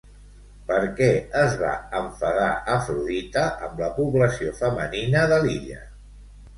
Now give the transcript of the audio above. Per què es va enfadar, Afrodita, amb la població femenina de l'illa?